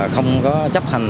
không có chấp hành